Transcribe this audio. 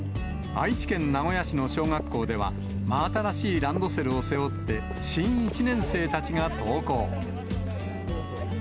愛知県名古屋市の小学校では、真新しいランドセルを背負って、新１年生たちが登校。